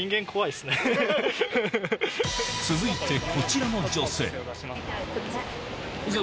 続いてこちらの女性こっち。